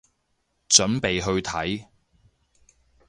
準備去睇